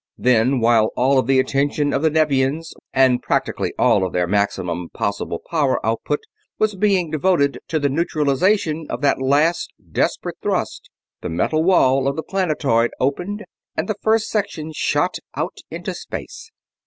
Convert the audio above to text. Then, while all of the attention of the Nevians and practically all of their maximum possible power output was being devoted to the neutralization of that last desperate thrust, the metal wall of the planetoid opened and the First Section shot out into space.